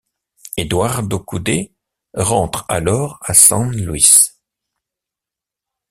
Eduardo Coudet rentre alors à San Luis.